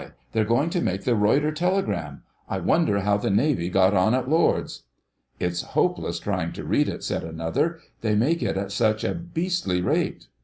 They're going to make the Reuter Telegram. I wonder how the Navy got on at Lords." "It's hopeless trying to read it," said another, "they make it at such a beastly rate."